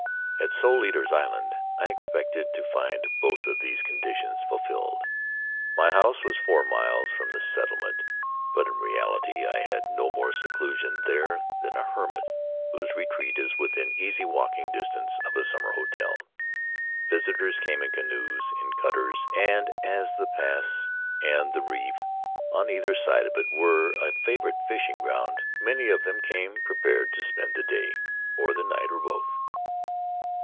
At Soul Eaters' Island I expected to find both of these conditions fulfilled. My house was four miles from the settlement, but in reality I had no more seclusion there than a hermit whose retreat is within easy walking distance of a summer hotel. Visitors came in canoes, in cutters; and as the pass and the reef on either side of it were a favorite fishing ground many of them came prepared to spend the day, or the night, or both.